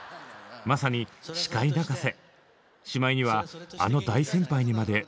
まさに司会泣かせ！